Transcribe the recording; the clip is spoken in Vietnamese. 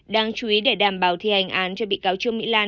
đáng chú ý để đảm bảo thi hành án cho bị cáo trương mỹ lan